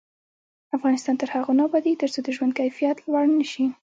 افغانستان تر هغو نه ابادیږي، ترڅو د ژوند کیفیت لوړ نشي.